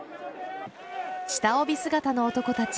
下帯姿の男たち